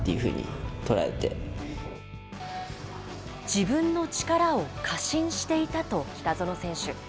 自分の力を過信していたと北園選手。